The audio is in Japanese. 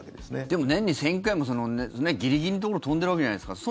でも年に１０００回もギリギリのところ飛んでいるわけじゃないですか。